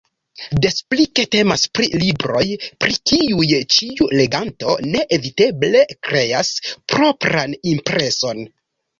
Des pli ke temas pri libroj, pri kiuj ĉiu leganto neeviteble kreas propran impreson.